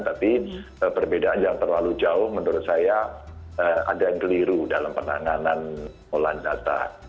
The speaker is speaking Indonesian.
tapi perbedaan yang terlalu jauh menurut saya ada yang keliru dalam penanganan olahan data